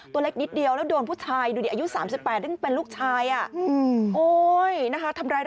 ตัวเล็กนิดเดียวแล้วโดนผู้ชายดูดิอายุ๓๘ซึ่งเป็นลูกชาย